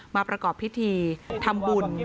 มาประกอบพิธีทำบุญ